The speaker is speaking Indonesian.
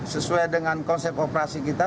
sesuai dengan konsep operasi kita